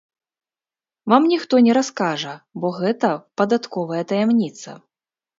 Вам ніхто не раскажа, бо гэта падатковая таямніца.